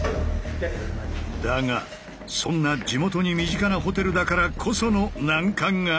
だがそんな地元に身近なホテルだからこその難関があるという。